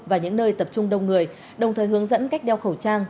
và những nơi tập trung đông người đồng thời hướng dẫn cách đeo khẩu trang